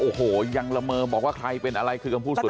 โอ้โหยังเหลมือบอกว่าใครเป็นอะไรคือกับคุณสุดไทย